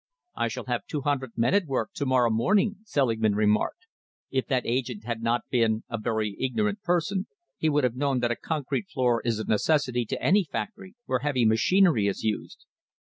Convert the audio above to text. "I shall have two hundred men at work to morrow morning," Selingman remarked. "If that agent had not been a very ignorant person, he would have known that a concrete floor is a necessity to any factory where heavy machinery is used."